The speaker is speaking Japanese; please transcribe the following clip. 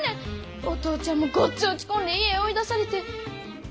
お父ちゃんもごっつい落ち込んで家追い出されて。